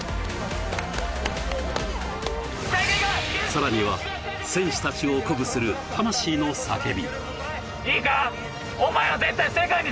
さらには選手たちを鼓舞する魂の叫び。